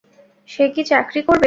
সে কী চাকরি করবে?